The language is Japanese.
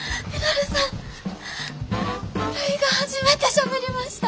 るいが初めてしゃべりました！